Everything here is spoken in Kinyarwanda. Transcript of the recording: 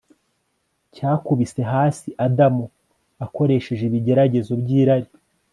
cyakubise hasi Adamu Akoresheje ibigeragezo byirari